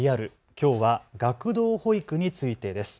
きょうは学童保育についてです。